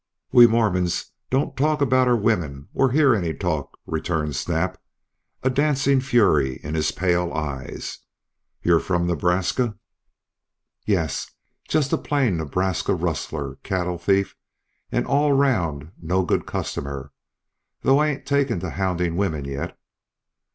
"We Mormons don't talk about our women or hear any talk," returned Snap, a dancing fury in his pale eyes. "You're from Nebraska?" "Yep, jest a plain Nebraska rustler, cattle thief, an' all round no good customer, though I ain't taken to houndin' women yet."